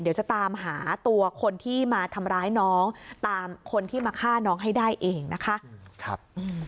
เดี๋ยวจะตามหาตัวคนที่มาทำร้ายน้องตามคนที่มาฆ่าน้องให้ได้เองนะคะ